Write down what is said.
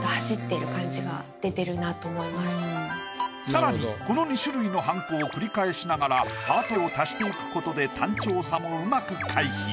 さらにこの２種類のはんこを繰り返しながらハートを足していくことで単調さもうまく回避。